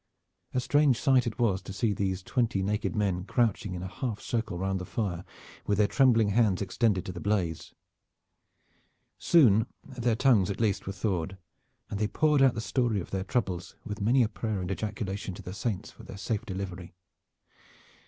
A strange sight it was to see these twenty naked men crouching in a half circle round the fire with their trembling hands extended to the blaze. Soon their tongues at least were thawed, and they poured out the story of their troubles with many a prayer and ejaculation to the saints for their safe delivery.